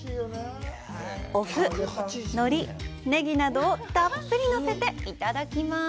お麩、海苔、ネギなどをたっぷりのせていただきます。